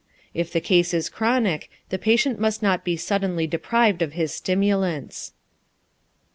If the case is chronic, the patient must not be suddenly deprived of his stimulants.